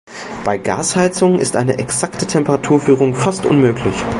Bei Gasheizung ist eine exakte Temperatur-Führung fast unmöglich.